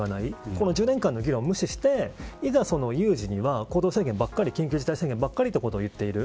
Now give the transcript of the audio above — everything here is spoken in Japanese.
この１０年間の議論を無視していざ有事には、行動制限ばかり緊急事態宣言ばかり言っている。